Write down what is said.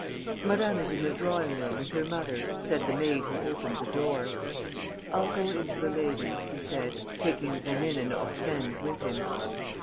"Madame is in the drawing room, with her mother," said the maid who opened the door. "I'll go in to the ladies," he said, taking Rénine and Hortense with him.